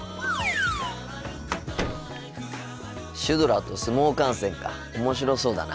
シュドラと相撲観戦か面白そうだな。